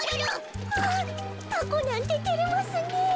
あタコなんててれますねえ。